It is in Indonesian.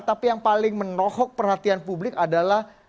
tapi yang paling menohok perhatian publik adalah